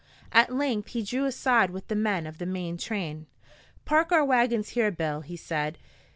At length he drew aside with the men of the main train. "Park our wagons here, Bill," he said.